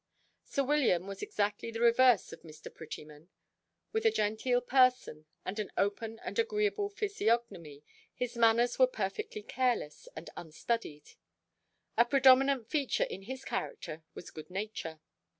Sir William was exactly the reverse of Mr. Prettyman. With a genteel person, and an open and agreable phisiognomy, his manners were perfectly careless and unstudied. A predominant feature in his character was good nature.